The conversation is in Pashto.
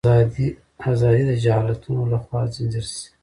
ازادي د جهالتونو لخوا ځنځیر شي.